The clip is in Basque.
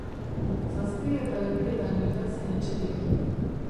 Zazpi eta erdietan irten zen etxetik.